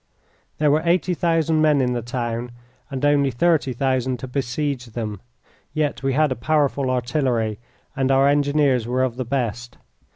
There were eighty thousand men in the town and only thirty thousand to besiege them. Yet we had a powerful artillery, and our engineers were of the best.